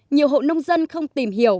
nhiều hộ nông dân không tìm hiểu